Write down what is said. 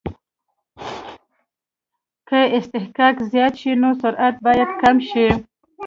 که اصطکاک زیات شي نو سرعت باید کم شي